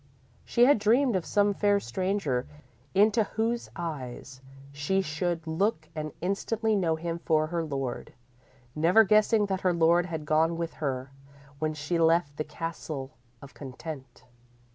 She had dreamed of some fair stranger, into whose eyes she should look and instantly know him for her lord, never guessing that her lord had gone with her when she left the Castle of Content.